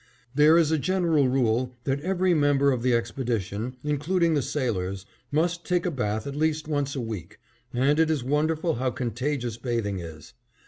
There is a general rule that every member of the expedition, including the sailors, must take a bath at least once a week, and it is wonderful how contagious bathing is.